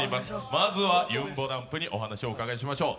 まずは、ゆんぼだんぷにお話を伺いましょう。